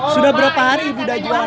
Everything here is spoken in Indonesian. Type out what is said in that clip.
sudah berapa hari bu sudah jualan